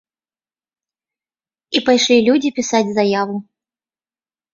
І пайшлі людзі пісаць заяву.